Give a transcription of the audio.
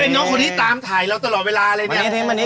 น้องคนที่ตามถ่ายเราตลอดเวลาเลยเนี่ย